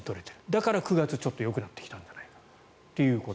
だから、９月ちょっとよくなってきたという。